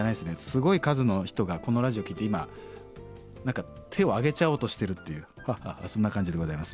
すごい数の人がこのラジオを聴いて今手を上げちゃおうとしてるっていうそんな感じでございます。